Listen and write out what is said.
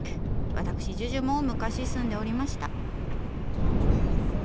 わたくしＪＵＪＵも昔住んでおりました。